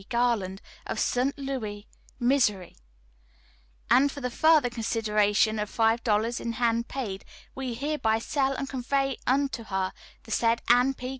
Garland, of St. Louis, Missouri, and for the further consideration of $5 in hand paid, we hereby sell and convey unto her, the said Anne P.